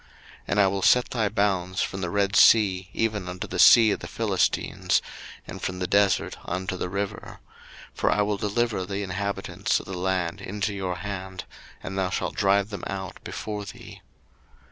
02:023:031 And I will set thy bounds from the Red sea even unto the sea of the Philistines, and from the desert unto the river: for I will deliver the inhabitants of the land into your hand; and thou shalt drive them out before thee.